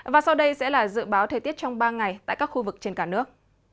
và sau đây sẽ là dự báo thời tiết trong ba ngày tại các khu vực trên cả nước